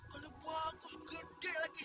kanya bagus gede lagi